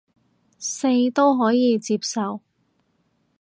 四都可接受